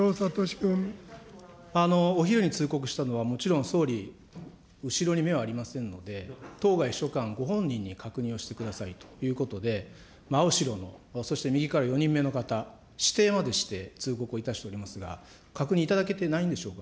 お昼に通告したのはもちろん総理、後ろに目はありませんので、当該秘書官ご本人に確認をしてくださいということで、真後ろの、そして右から４人目の方、指定までして、通告いたしておりますが、確認いただけてないんでしょうか。